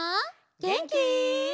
げんき？